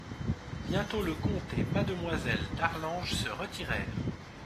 Bientôt le comte et Mademoiselle d'Arlange se retirèrent.